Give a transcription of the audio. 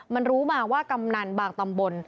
มันรู้มาว่ากำนันบางตำบล